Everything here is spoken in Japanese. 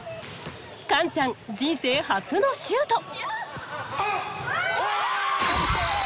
カンちゃん人生初のシュート！